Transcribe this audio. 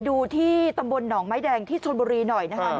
ดูที่ตำบลหนองไม้แดงที่ชนบุรีหน่อยนะครับ